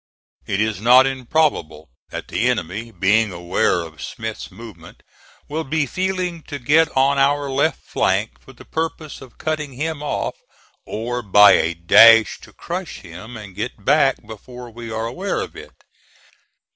It is not improbable that the enemy, being aware of Smith's movement, will be feeling to get on our left flank for the purpose of cutting him off, or by a dash to crush him and get back before we are aware of it.